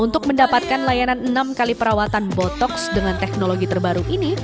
untuk mendapatkan layanan enam kali perawatan botoks dengan teknologi terbaru ini